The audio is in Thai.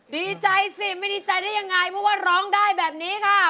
ดีใจสิไม่ดีใจได้ยังไงเพราะว่าร้องได้แบบนี้ค่ะ